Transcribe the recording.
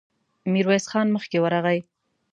ميرويس خان مخکې ورغی.